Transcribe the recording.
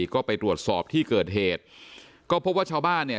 ก็ไปตรวจสอบที่เกิดเหตุก็พบว่าชาวบ้านเนี่ย